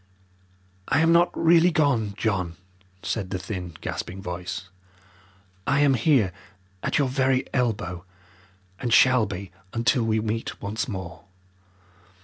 "I am not really gone, John," said the thin, gasping voice. "I am here at your very elbow, and shall be until we meet once more.